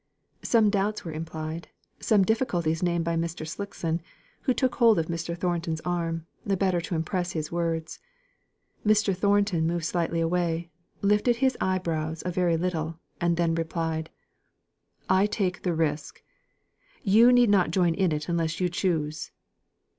Some doubts were implied, some difficulties named by Mr. Slickson, who took hold of Mr. Thornton's arm, the better to impress his words. Mr. Thornton moved slightly away, lifted his eyebrows a very little, and then replied: "I take the risk. You need not join in it unless you choose."